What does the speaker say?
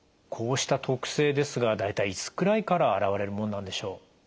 こうした特性ですが大体いつくらいから現れるものなんでしょう？